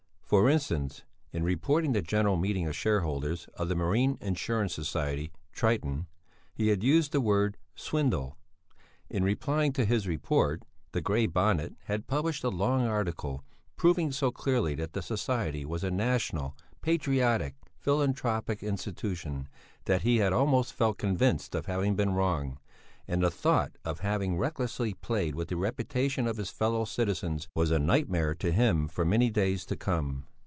For instance: in reporting the General Meeting of Shareholders of the Marine Insurance Society "Triton," he had used the word swindle. In replying to his report, the Grey Bonnet had published a long article proving so clearly that the society was a national, patriotic, philanthropic institution that he had almost felt convinced of having been wrong, and the thought of having recklessly played with the reputation of his fellow citizens was a nightmare to him for many days to come.